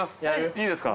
いいですか。